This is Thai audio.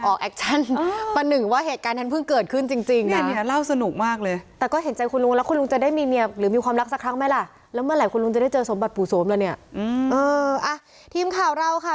แอบออกแอคชั่นประหนึ่งว่าเหตุการณ์นั้นเพิ่งเกิดขึ้นจริงนะ